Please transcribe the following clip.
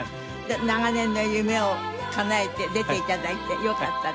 長年の夢を叶えて出て頂いてよかったです。